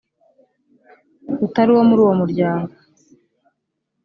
utari uwo muri uwo muryango;